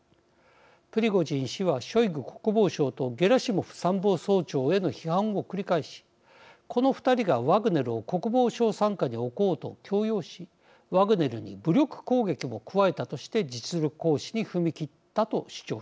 プリゴジン氏はショイグ国防相とゲラシモフ参謀総長への批判を繰り返しこの２人がワグネルを国防省傘下に置こうと強要しワグネルに武力攻撃も加えたとして実力行使に踏み切ったと主張しています。